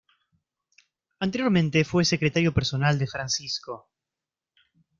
Anteriormente fue secretario personal de Francisco.